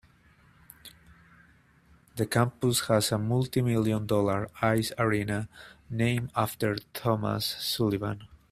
The campus has a multimillion-dollar, ice arena, named after Thomas F. Sullivan.